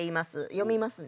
読みますね。